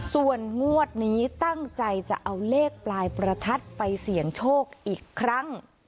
ส่วนงวดนี้ตั้งใจจะเอาเลขปลายประทัดไปเสี่ยงโชคอีกครั้ง